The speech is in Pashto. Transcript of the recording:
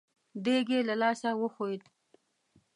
دېګ يې له لاسه وښوېد.